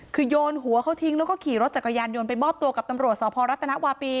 คือโยนหัวเขาทิ้งแล้วก็ขี่รถจักรยานยนต์ไปมอบตัวกับตำรวจสพรัฐนาวาปี